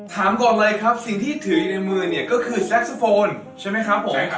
ถามก่อนเลยครับสิ่งที่ถืออยู่ในมือเนี่ยก็คือแซ็กโซโฟนใช่ไหมครับผม